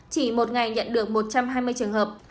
chỉ một ngày nhận được một trăm hai mươi trường hợp